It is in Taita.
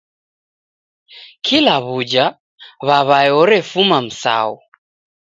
Kila w'uja w'aw'ae orefuma Msau!